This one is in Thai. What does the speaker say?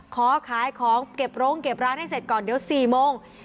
ขอขายของเก็บโรงเก็บร้านให้เสร็จก่อนเดี๋ยว๔โมง